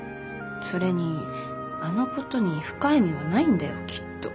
それにあのことに深い意味はないんだよきっと。